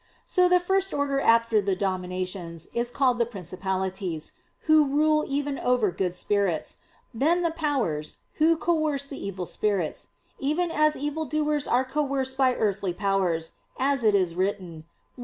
So the first order after the "Dominations" is called that of "Principalities," who rule even over good spirits; then the "Powers," who coerce the evil spirits; even as evil doers are coerced by earthly powers, as it is written (Rom.